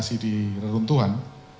masih di runtuhan